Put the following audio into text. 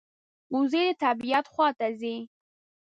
وزې د طبعیت خوا ته ځي